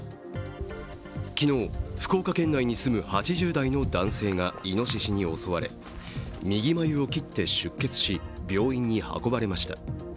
昨日、福岡県内に住む８０代の男性がいのししに襲われ右眉を切って出血し、病院に運ばれました。